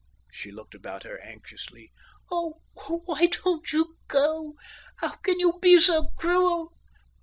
She looked about her anxiously. "Oh, why don't you go? How can you be so cruel?"